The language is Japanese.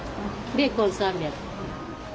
ベーコン３００。